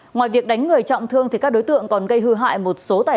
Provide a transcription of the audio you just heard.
ngoài việc đánh người trọng thương các đối tượng còn gây hư hại một số tài sản